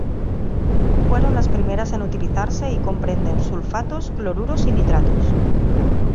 Fueron las primeras en utilizarse y comprenden sulfatos, cloruros y nitratos.